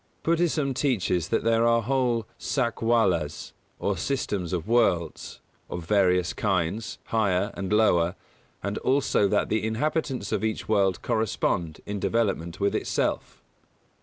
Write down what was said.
Buddhism teaches that there are whole Sakwalas, or systems of worlds, of various kinds, higher and lower, and also that the inhabitants of each world correspond in development with itself.